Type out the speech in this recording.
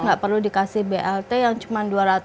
nggak perlu dikasih blt yang cuma